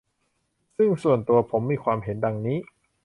ซึ่งส่วนตัวผมมีความเห็นดังนี้